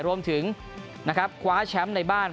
รวมถึงคว้าแชมป์ในบ้าน